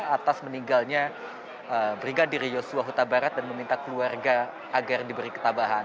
atas meninggalnya brigadir yosua huta barat dan meminta keluarga agar diberi ketabahan